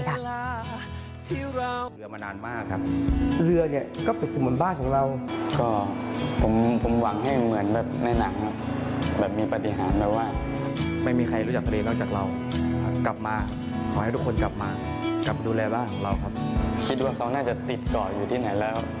เท่าไหร่อย่างที่กคิดว่าเขาน่าจะติดก่ออยู่ที่ไหนแล้ว